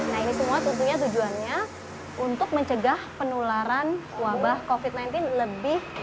nah ini semua tentunya tujuannya untuk mencegah penularan wabah covid sembilan belas lebih